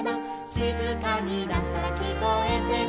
「しずかになったらきこえてくるよ」